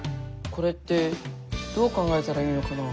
これってどう考えたらいいのかな？